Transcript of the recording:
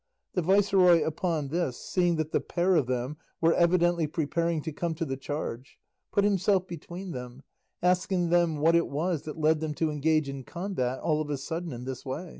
The viceroy upon this, seeing that the pair of them were evidently preparing to come to the charge, put himself between them, asking them what it was that led them to engage in combat all of a sudden in this way.